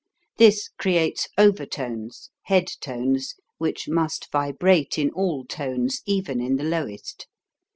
This creates overtones (head tones) which must vibrate in all tones, even in the lowest.